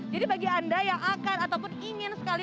jadi bagi anda yang akan ataupun ingin sekali